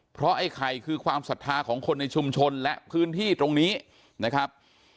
เพราะไอ้ไข่คือความศรัทธาของคนในชุมชนและพื้นที่ตรงนี้นะครับ